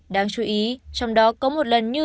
đáng chú ý trong đó có một lần như